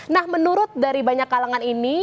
nah menurut dari banyak kalangan ini